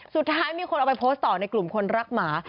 สุดท้ายมีคนเอาไปโพสต์ต่อในกลุ่มคนรักหมา